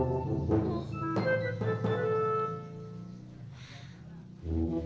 apa kamu perd muddyinf word